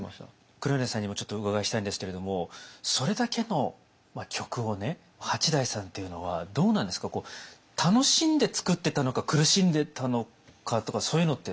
黒柳さんにもちょっとお伺いしたいんですけれどもそれだけの曲を八大さんっていうのはどうなんですか楽しんで作ってたのか苦しんでたのかとかそういうのって？